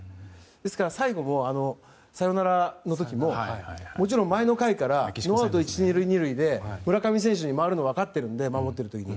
ですから、サヨナラの時ももちろん前の回からノーアウト１塁２塁で村上選手に回るの守ってる時に分かってるので。